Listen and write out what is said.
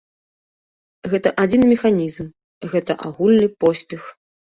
Гэта адзіны механізм, гэта агульны поспех.